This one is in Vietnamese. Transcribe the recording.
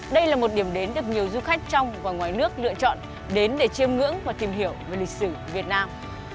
đây là một điểm đến được nhiều du khách trong và ngoài nước lựa chọn đến để chiêm ngưỡng và tìm hiểu về lịch sử việt nam